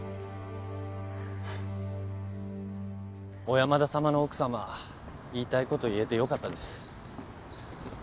小山田様の奥様言いたいこと言えて良かったです。